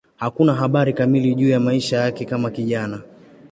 Hakuna habari kamili juu ya maisha yake kama kijana.